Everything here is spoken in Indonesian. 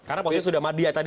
karena posisi sudah madia tadi